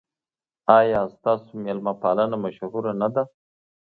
ایا ستاسو میلمه پالنه مشهوره نه ده؟